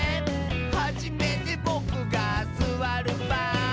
「はじめてボクがすわるばん」